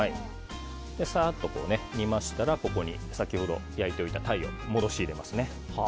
サッと煮ましたらここに先ほど焼いておいた鯛を戻し入れますね。